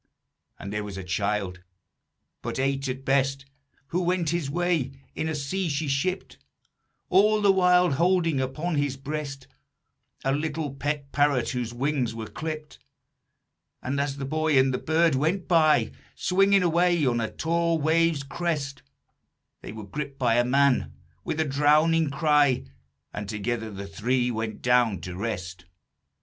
"And there was a child, but eight at best, Who went his way in a sea she shipped, All the while holding upon his breast A little pet parrot whose wings were clipped. And, as the boy and the bird went by, Swinging away on a tall wave's crest, They were gripped by a man, with a drowning cry, And together the three went down to rest.